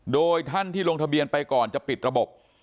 โดยท่านที่ลงทะเบียนไปก่อนจะปิดระบบ